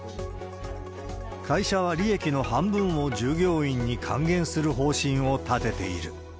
会社は利益の半分を従業員に還元する方針を立てている。